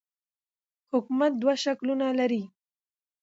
حکومت دوه شکلونه لري.